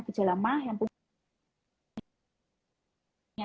gejala mah yang punya